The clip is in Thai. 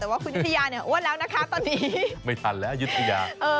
แต่ว่าคุณวิทยาเนี่ยอ้วนแล้วนะคะตอนนี้ไม่ทันแล้วยุธยา